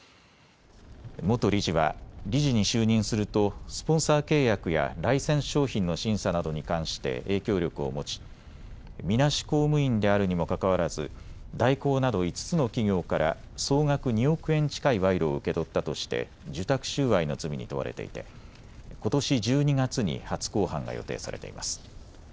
元理事は理事に就任するとスポンサー契約やライセンス商品の審査などに関して影響力を持ち、みなし公務員であるにもかかわらず大広など５つの企業から総額２億円近い賄賂を受け取ったとして受託収賄の罪に問われていてことし１２月に初公判が予定されています。